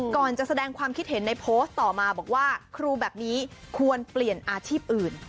ก่อนจะแสดงความคิดเห็นในโพสต์ต่อมาบอกว่าครูแบบนี้ควรเปลี่ยนอาชีพอื่น